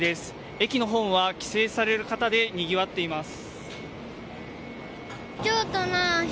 駅のホームは帰省される方でにぎわっています。